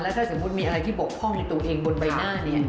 แล้วถ้าสมมติมีอะไรที่บ่งป้องด้วยตัวเองบนใบหน้าเนี่ย